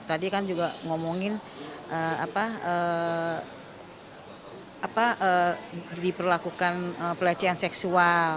tadi kan juga ngomongin diperlakukan pelecehan seksual